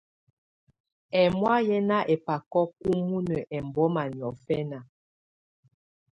Ɛ́mɔ̀á yɛ́ ná ɛbákɔ́ kumunǝ ɛmbɔ́ma niɔ̀fɛ́na.